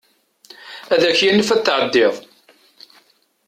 Ad ak-yanef ad tɛeddiḍ.